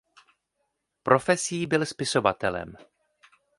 Profesí byl spisovatelem.